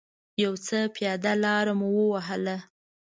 یو څه پیاده لاره مو و وهله.